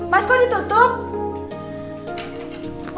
mas kok ditutup